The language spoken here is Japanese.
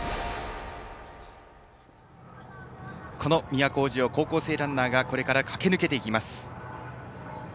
この都大路を高校生ランナーがこれから駆け抜けていきます。